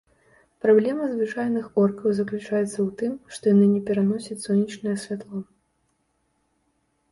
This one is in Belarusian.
Праблема звычайных оркаў заключаецца ў тым, што яны не пераносяць сонечнае святло.